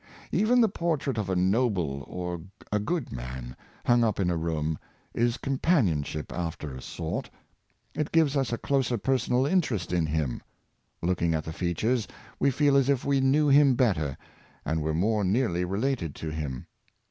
Even the portrait of a noble or a good man, hung up in a room, is companionship after a sort. It gives us a closer personal interest in him. Looking at the features, we feel as if we knew him better, ^nd were more nearly related to him.